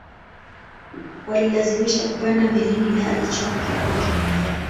walilazimisha kupanda melini ilihali chombo kilikuwa kimejaa